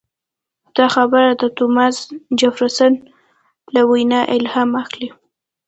دا خبره د توماس جفرسن له وینا الهام اخلي.